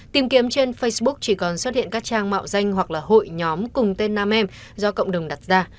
tìm kiếm trên facebook chỉ còn xuất hiện các trang mạo danh hoặc là hội nhóm cùng tên nam em do cộng đồng đặt ra